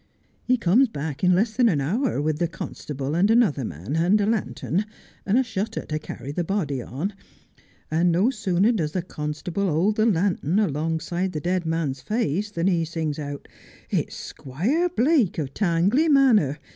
He comes back in less than a hour with the constable and another man, and a lantern, and a shutter to carry the body upon, and no sooner does the constable hold the lantern In the Assize Court. 55 alongside the dead man's face than he sings out, 'It's Squire Blake of Tangley Manor.